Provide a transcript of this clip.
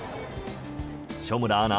所村アナ